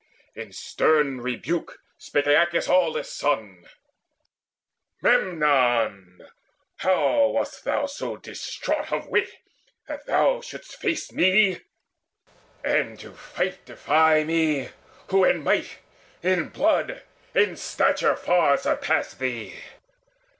In stern rebuke spake Aeacus' aweless son: "Memnon, how wast thou so distraught of wit That thou shouldst face me, and to fight defy Me, who in might, in blood, in stature far Surpass thee?